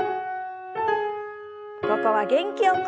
ここは元気よく。